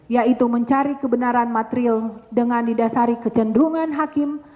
yaitu mencari kebenaran material dengan didasari kecenderungan hakim